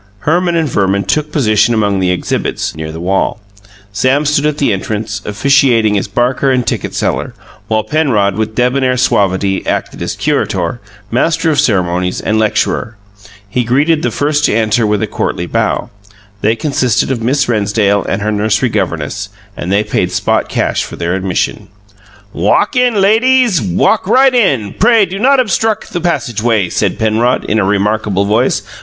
Herman and Verman took position among the exhibits, near the wall; Sam stood at the entrance, officiating as barker and ticket seller; while Penrod, with debonair suavity, acted as curator, master of ceremonies, and lecturer. He greeted the first to enter with a courtly bow. They consisted of Miss Rennsdale and her nursery governess, and they paid spot cash for their admission. "Walk in, lay deeze, walk right in pray do not obstruck the passageway," said Penrod, in a remarkable voice.